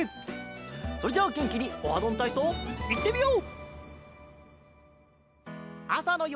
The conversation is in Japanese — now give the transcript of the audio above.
それじゃあげんきに「オハどんたいそう」いってみよう！